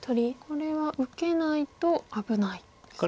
これは受けないと危ないんですか。